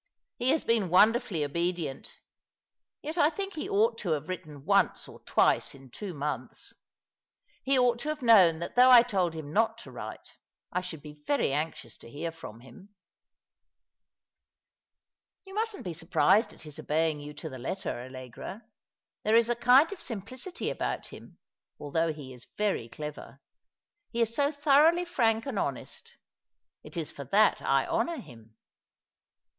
He has been wonder fully obedient : yet I think he ought to have written once or twice in two months. He ought to have known that though I told him not to write, I should be very anxious to hear from hii^." "You mustn't be surprised at his obeying you to the letter, Allegra. There is a kind of simplicity about him, although he is very clever. He is so thoroughly frank and honest. It is for that I honour him."